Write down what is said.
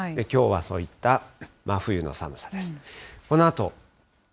きょうはそういった真冬の寒さです。